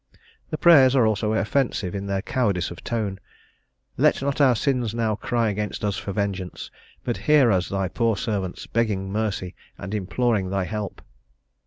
The prayers are also offensive for their cowardice of tone: "Let not our sins now cry against us for vengeance; but hear us thy poor servants begging mercy, and imploring thy help."